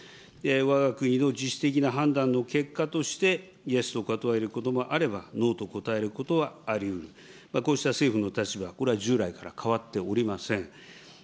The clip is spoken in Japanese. わが国の自主的な判断の結果として、イエスと答えることもあれば、ノーと答えることはありうる、こうした政府の立場、これは従来から変わっておりません。